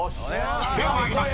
［では参ります。